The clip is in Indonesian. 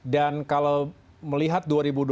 dan kalau melihat